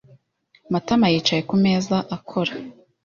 Matama yicaye ku meza akora.